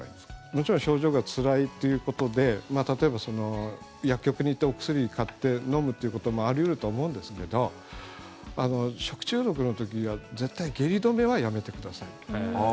もちろん症状がつらいということで例えば薬局に行ってお薬買って飲むということもあり得ると思うんですけど食中毒の時は絶対下痢止めはやめてください。